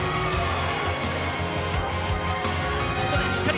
「ここでしっかり。